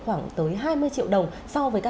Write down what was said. khoảng tới hai mươi triệu đồng so với cả